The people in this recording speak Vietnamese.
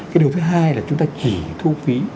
cái điều thứ hai là chúng ta chỉ thu phí